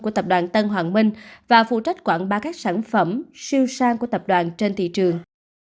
của tập đoàn tân hoàng minh và phụ trách quảng bá các sản phẩm siêu sang của tập đoàn trên thị trường